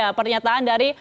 ya pernyataan dari